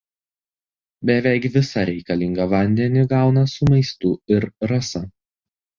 Beveik visą reikalingą vandenį gauna su maistu ir rasa.